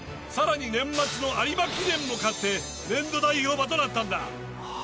さらに年末の有馬記念も勝って年度代表馬となったんだ。